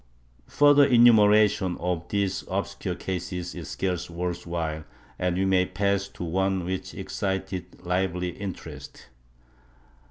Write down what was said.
* Further enumeration of these obscure cases is scarce worth while and we may pass to one which excited lively interest.